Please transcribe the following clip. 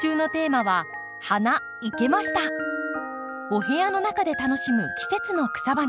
お部屋の中で楽しむ季節の草花